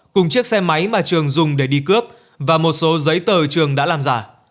cùng chiếc xe máy mà trường dùng để đi cướp và một số giấy tờ trường đã làm giả